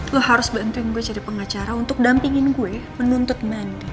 lo harus bantuin gue jadi pengacara untuk dampingin gue menuntut mandi